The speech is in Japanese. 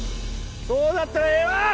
そうだったらええわ！